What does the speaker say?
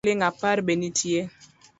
Sabun mar siling’ apar be nitie?